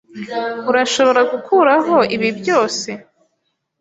Urashobora gukuraho ibi byose?